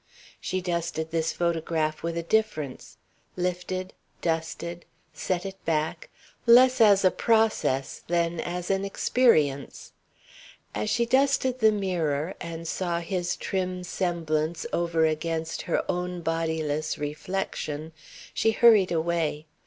She dusted this photograph with a difference, lifted, dusted, set it back, less as a process than as an experience. As she dusted the mirror and saw his trim semblance over against her own bodiless reflection, she hurried away.